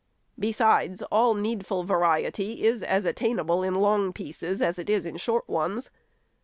Besides, all needful variety is as attainable in long pieces as in short ones.